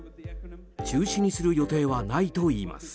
中止にする予定はないといいます。